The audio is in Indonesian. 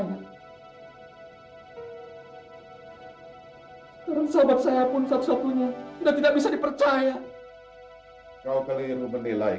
tersebut saya pun satu satunya tidak bisa dipercaya kau keliru menilai